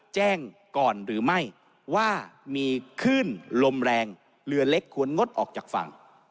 แจ้งก่อนหรือไม่ว่ามีคลื่นลมแรงเรือเล็กควรงดออกจากฝั่ง